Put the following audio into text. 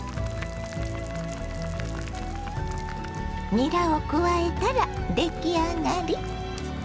にらを加えたら出来上がり。